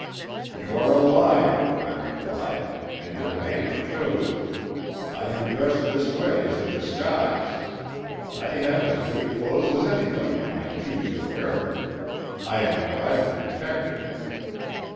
"'You are a liar,' I replied, 'and your manner shows it. I am dressed this way as a disguise. I have as good clothes as anybody when I choose to wear them. I am a private detective.'